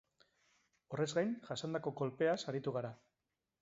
Horrez gain, jasandako kolpeaz aritu gara.